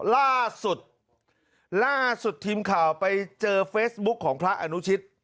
ล่าสุดล่าสุดทีมข่าวไปเจอเฟซบุ๊คของพระอนุชิต